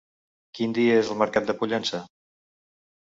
Quin dia és el mercat de Pollença?